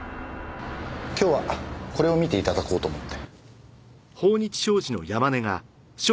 今日はこれを見て頂こうと思って。